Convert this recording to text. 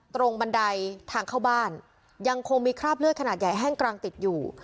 บันไดทางเข้าบ้านยังคงมีคราบเลือดขนาดใหญ่แห้งกลางติดอยู่